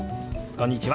こんにちは！